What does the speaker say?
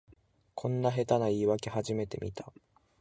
こんな下手な言いわけ初めて見た